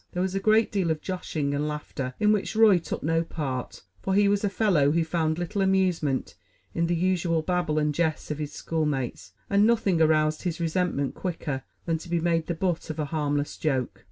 There was a great deal of joshing and laughter, in which Roy took no part; for he was a fellow who found little amusement in the usual babble and jests of his schoolmates, and nothing aroused his resentment quicker than to be made the butt of a harmless joke.